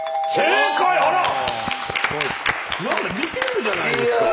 見てるじゃないですか。